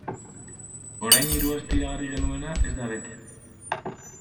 Orain hiru aste iragarri genuena ez da bete.